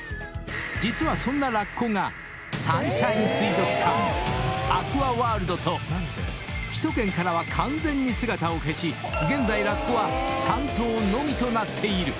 ［実はそんなラッコがサンシャイン水族館アクアワールドと首都圏からは完全に姿を消し現在ラッコは３頭のみとなっている］